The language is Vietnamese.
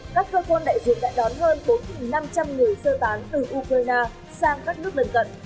các cơ quan đại diện đã đón hơn bốn năm trăm linh người sơ tán từ ukraine sang các nước lân cận